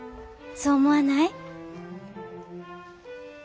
そう思わない？